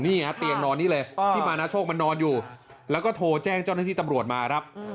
เตียงนอนนี้เลยที่มานาโชคมันนอนอยู่แล้วก็โทรแจ้งเจ้าหน้าที่ตำรวจมาครับ